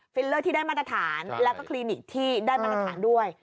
เลอร์ที่ได้มาตรฐานแล้วก็คลินิกที่ได้มาตรฐานด้วย